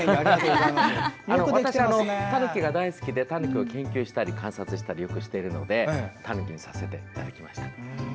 私、タヌキが大好きでタヌキを研究したり観察したりよくしているのでタヌキにさせていただきました。